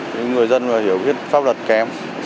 những người dân hiểu biết pháp luật kém